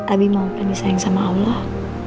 abi mau kan disayang sama allah